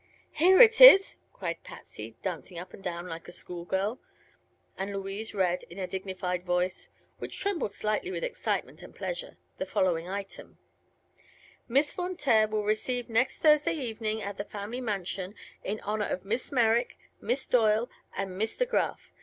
"Here it is!" cried Patsy, dancing up and down like a school girl; and Louise read in a dignified voice which trembled slightly with excitement and pleasure the following item: "Miss Von Taer will receive next Thursday evening at the family mansion in honor of Miss Merrick, Miss Doyle and Miss De Graf.